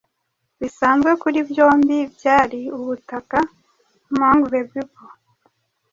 Bisanzwe kuri byombi byari ubutaka mong the people